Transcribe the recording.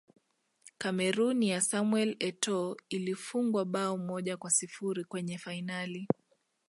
cameroon ya samuel etoo ilifungwa bao moja kwa sifuri kwenye fainali